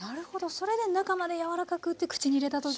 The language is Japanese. それで中までやわらかくって口に入れた時に。